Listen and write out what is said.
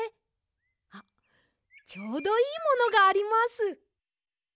あっちょうどいいものがあります。